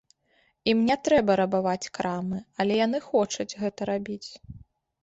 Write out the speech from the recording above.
Ім не трэба рабаваць крамы, але яны хочуць гэта рабіць.